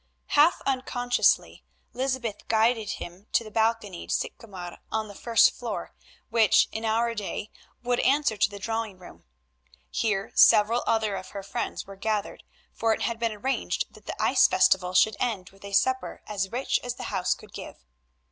Half unconsciously Lysbeth guided him to the balconied sit kamer on the first floor, which in our day would answer to the drawing room. Here several other of her friends were gathered, for it had been arranged that the ice festival should end with a supper as rich as the house could give.